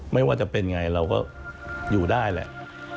ไม่ว่าจะเป็นไงเราก็อยู่ได้แหละ